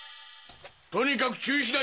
とにかく中止だ！